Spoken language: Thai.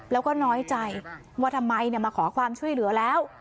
แล้วก็น้อยใจว่าทำไมมาขอความช่วยเหลือแล้ว